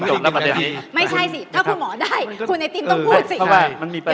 คุณหมอก้าจะเข้าแตะไว้ตอนท้าย